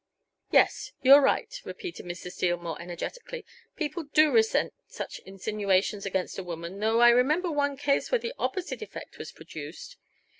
"Yes, you are right," repeated Mr. Steele more energetically. "People do resent such insinuations against a woman, though I remember one case where the opposite effect was produced.